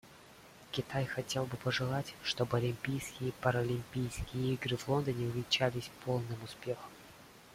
Китай хотел бы пожелать, чтобы Олимпийские и Паралимпийские игры в Лондоне увенчались полным успехом.